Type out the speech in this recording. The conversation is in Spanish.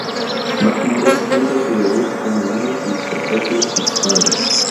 Matt Morris hizo su debut en el mundo del espectáculo con su padre.